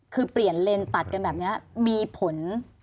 คือเปลี่ยนเลนตัดกันแบบนี้มีผล